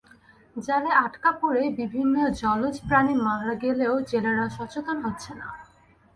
জালে আটকা পড়ে বিভিন্ন জলজ প্রাণী মারা গেলেও জেলেরা সচেতন হচ্ছে না।